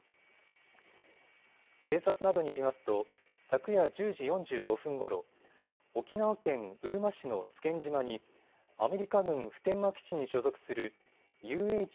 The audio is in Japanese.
警察などによりますと昨夜１０時４５分ごろ、沖縄県うるま市の津堅島にアメリカ軍普天間基地に所属するＵＨ